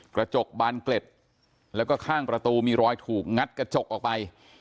กระจกบานเกล็ดแล้วก็ข้างประตูมีรอยถูกงัดกระจกออกไป